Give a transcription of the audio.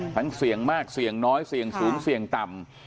เสี่ยงมากเสี่ยงน้อยเสี่ยงสูงเสี่ยงต่ำ